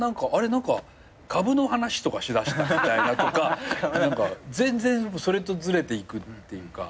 何か株の話とかしだしたみたいなとか全然それとずれていくっていうか。